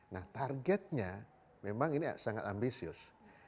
nah targetnya memang ini sangat ambisius